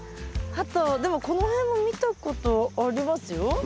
あとでもこの辺も見たことありますよ。